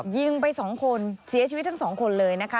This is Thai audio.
ยิงไป๒คนเสียชีวิตทั้งสองคนเลยนะคะ